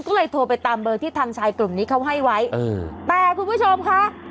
ก็เลยโทรไปตามเบอร์ที่ทางชายกลุ่มนี้เขาให้ไว้เออแต่คุณผู้ชมค่ะ